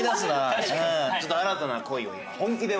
ちょっと新たな恋を今本気で私の方は。